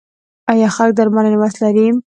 آیا خلک د درملنې وس لري؟